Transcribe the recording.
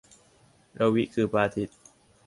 รวิ คือพระอาทิตย์